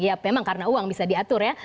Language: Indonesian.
ya memang karena uang bisa diatur ya